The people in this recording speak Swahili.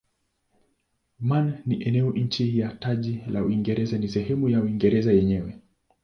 Man ni eneo chini ya taji la Uingereza si sehemu ya Uingereza yenyewe.